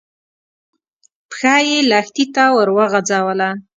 پښه يې لښتي ته ور وغځوله.